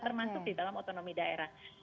termasuk di dalam otonomi daerah